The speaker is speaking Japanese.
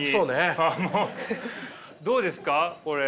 どうですかこれ。